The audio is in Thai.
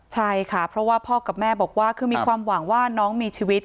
ใช่ค่ะเพราะว่าพ่อกับแม่บอกว่าคือมีความหวังว่าน้องมีชีวิต